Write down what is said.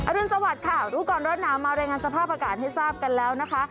รุนสวัสดิ์ค่ะรู้ก่อนร้อนหนาวมารายงานสภาพอากาศให้ทราบกันแล้วนะคะ